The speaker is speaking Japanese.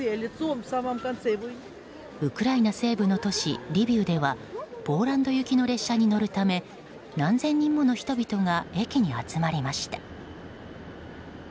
ウクライナ西部の都市リビウではポーランド行きの列車に乗るため何千人もの人々が駅に集まりました。